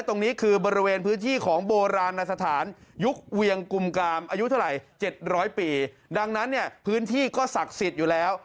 ตรงนั้นเนี่ยพื้นที่ก็ศักดิ์สิทธิ์อยู่แล้ว